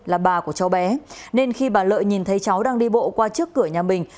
là bà của cháu bé nên khi bà lợi nhìn thấy cháu đang đi bộ qua trước cửa nhà mình